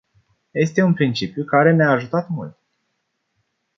Este un principiu care ne-a ajutat mult.